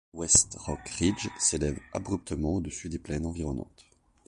West Rock Ridge s'élève abruptement au-dessus des plaines environnantes.